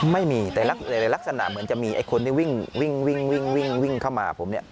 ไม่มีแต่ลักษณะเหมือนจะมีไอ้คนที่วิ่งวิ่งเข้ามาผมเนี่ย